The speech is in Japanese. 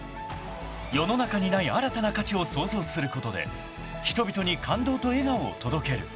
［世の中にない新たな価値を創造することで人々に感動と笑顔を届ける］